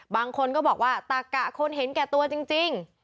บางคนก็บอกว่าตะกะคนเห็นแก่ตัวจริง